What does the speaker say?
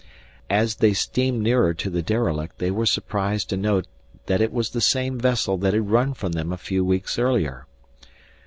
As they steamed nearer to the derelict they were surprised to note that it was the same vessel that had run from them a few weeks earlier.